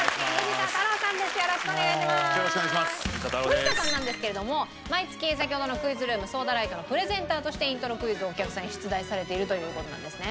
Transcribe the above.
藤田さんなんですけれども毎月先ほどのクイズルームソーダライトのプレゼンターとしてイントロクイズをお客さんに出題されているという事なんですね。